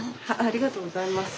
ありがとうございます。